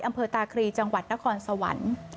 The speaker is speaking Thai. อำเภอตาครีจังหวัดนครสวรรค์